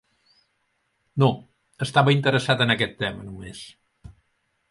No, estava interessat en aquest tema només.